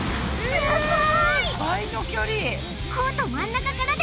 すごい！